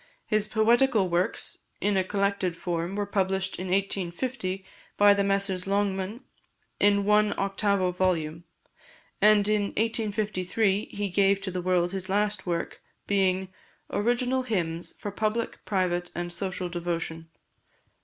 His Poetical Works, in a collected form, were published in 1850 by the Messrs Longman, in one octavo volume; and in 1853 he gave to the world his last work, being "Original Hymns, for Public, Private, and Social Devotion."